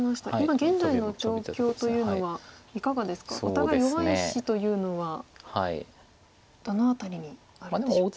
今現在の状況というのはいかがですかお互い弱い石というのはどの辺りになるんでしょう。